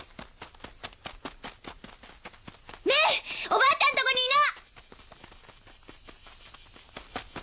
おばあちゃんとこにいな！